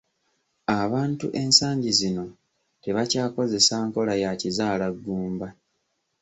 Abantu ensangi zino tebakyakozesa nkola ya kizaalaggumba.